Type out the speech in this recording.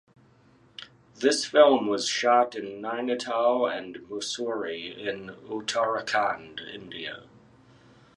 This film was shot in Nainital and Mussoorie in Uttarakhand (India).